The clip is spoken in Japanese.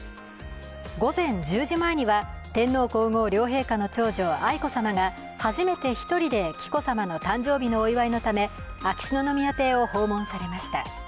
午前１０時前には天皇皇后両陛下の長女・愛子さまが初めて一人で紀子さまの誕生日のお祝いのため秋篠宮邸を訪問されました。